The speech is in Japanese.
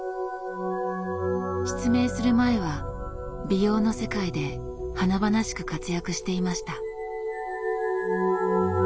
失明する前は美容の世界で華々しく活躍していました。